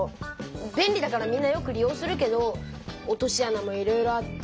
便利だからみんなよく利用するけど落としあなもいろいろあって。